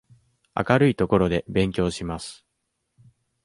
明るい所で勉強します。